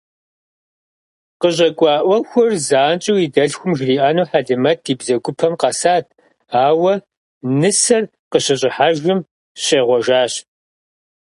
КъыщӀэкӀуа Ӏуэхур занщӀэу и дэлъхум жриӀэну Хьэлимэт и бзэгупэм къэсат, ауэ, нысэр къыщыщӀыхьэжым, щӀегъуэжащ.